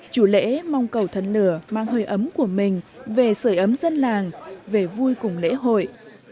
chủ lễ mong cầu thần lửa mang hơi ấm của mình về sởi ấm dân làng về vui cùng lễ hội